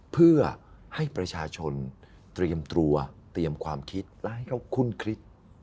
เพื่อให้ประชาชนเตรียมตัวเตรียมความคิดและให้เขาคุ้นคิด